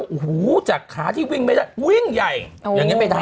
โอ้โหจากขาที่วิ่งไม่ได้วิ่งใหญ่อย่างนี้ไม่ได้